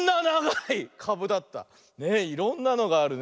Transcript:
いろんなのがあるね。